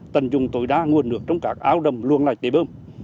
tần dùng tối đa nguồn nước trong các áo đầm luông lạch tế bơm